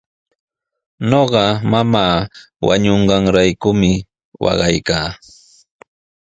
Ñuqa mamaa wañunqanraykumi waqaykaa.